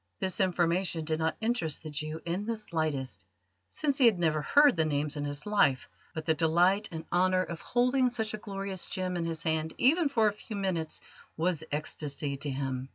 This information did not interest the Jew in the slightest, since he had never heard the names in his life; but the delight and honour of holding such a glorious gem in his hand even for a few minutes was ecstasy to him.